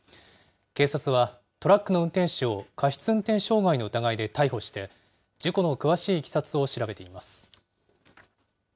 警察はトラックの運転手を過失運転傷害の疑いで逮捕して、事故の詳しいいきさつを調べています。